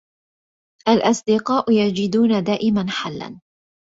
الأصدقاء يجدون دائما حلاّ.